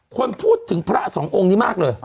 คนพูดถึงพระสององค์นี้มากเลย